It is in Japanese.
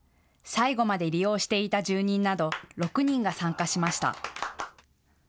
最後まで利用していた住人など６人が参加しました。